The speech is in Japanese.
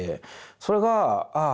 それがああ